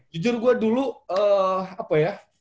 jujur gue dulu apa ya